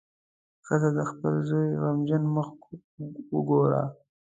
ښځه د خپل زوی غمجن مخ وګوره.